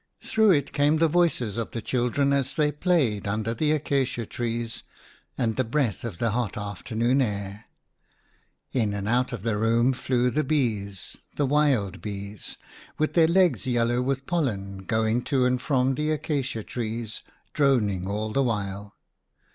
Through it came the voices of the chil dren as they played under the acacia trees, and the breath of the hot afternoon air. In and out of the room flew the bees, the wild bees, with their legs yellow with pollen, going to and from the acacia trees, droning all the while.